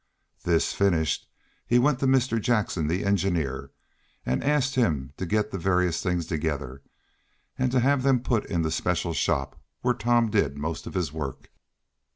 This finished, he went to Mr. Jackson, the engineer, and asked him to get the various things together, and to have them put in the special shop where Tom did most of his work.